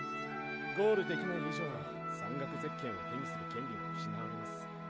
ゴールできない以上山岳ゼッケンを手にする権利は失われます。